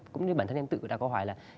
cũng như bản thân em tự đã có hỏi là